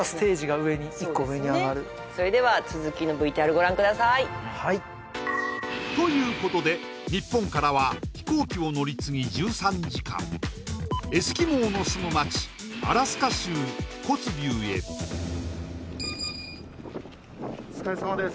それでは続きのＶＴＲご覧くださいということで日本からは飛行機を乗り継ぎ１３時間エスキモーの住む街アラスカ州コツビューへお疲れさまです